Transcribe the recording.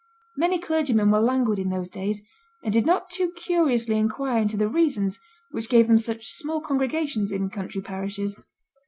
Many clergymen were languid in those days, and did not too curiously inquire into the reasons which gave them such small congregations in country parishes.